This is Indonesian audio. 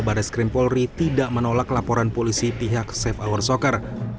baris krim polri tidak menolak laporan polisi pihak safe hour soccer